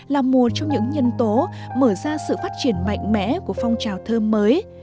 là một trong những nhân tố mở ra sự phát triển mạnh mẽ của phong trào thơ mới